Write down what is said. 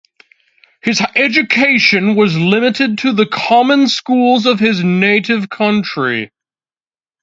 His education was limited to the common schools of his native country.